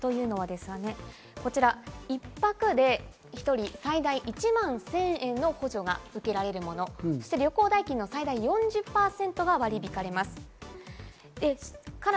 この全国旅行割というのはですね、こちら一泊で１人最大１万１０００円の補助が受けられるもの、そして旅行代金の最大４０％が割り引かれます。